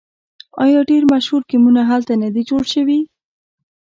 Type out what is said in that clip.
آیا ډیر مشهور ګیمونه هلته نه دي جوړ شوي؟